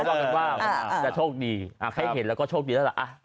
เขาบอกกันว่าแต่โชคดีอ่าใครเห็นแล้วก็โชคดีแล้วล่ะอ่า